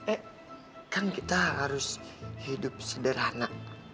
eh kan kita harus hidup sederhana